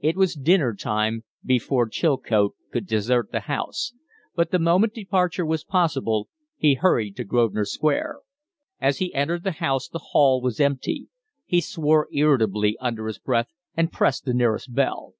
It was dinner time before Chilcote could desert the House, but the moment departure was possible he hurried to Grosvenor Square. As he entered the house, the hall was empty. He swore irritably under his breath and pressed the nearest bell.